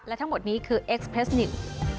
และทั้งหมดนี้คือเอ็กซ์เทคนิค